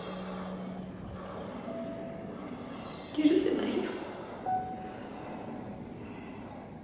許せないよ。